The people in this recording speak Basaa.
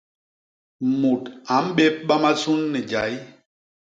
Mut a mbébba masun ni jay.